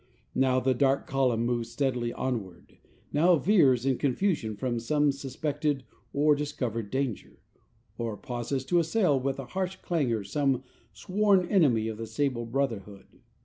Now the dark column moves steadily onward, now veers in confusion from some suspected or discovered danger, or pauses to assail with a harsh clangor some sworn enemy of the sable brotherhood.